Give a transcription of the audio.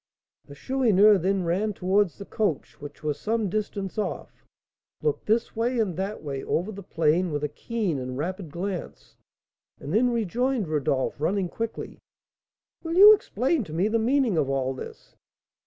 The Chourineur then ran towards the coach, which was some distance off, looked this way and that way over the plain with a keen and rapid glance, and then rejoined Rodolph, running quickly. "Will you explain to me the meaning of all this?"